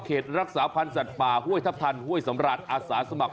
รักษาพันธ์สัตว์ป่าห้วยทัพทันห้วยสำราญอาสาสมัคร